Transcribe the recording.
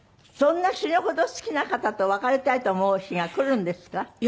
そんな死ぬほど好きな方と別れたいと思う日が来るんですか？